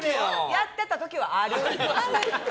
やってた時はあります。